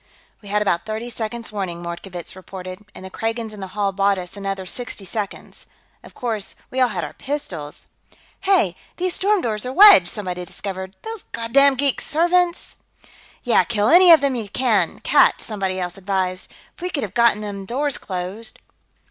"We had about thirty seconds' warning," Mordkovitz reported, "and the Kragans in the hall bought us another sixty seconds. Of course, we all had our pistols...." "Hey! These storm doors are wedged!" somebody discovered. "Those goddam geek servants ...!" "Yeah, kill any of them you catch," somebody else advised. "If we could have gotten these doors closed...."